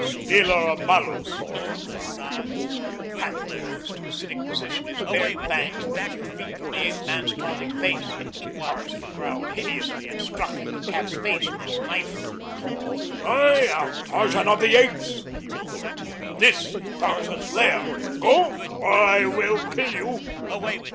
"Stealer of balus!" he cried. The panther rose to a sitting position, his bared fangs but a few feet from the ape man's taunting face. Tarzan growled hideously and struck at the cat's face with his knife. "I am Tarzan of the Apes," he roared. "This is Tarzan's lair. Go, or I will kill you."